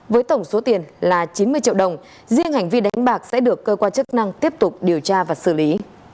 với tổng số tiền là chín mươi triệu đồng riêng hành vi đánh bạc sẽ được cơ quan chức năng tiếp tục điều tra và xử lý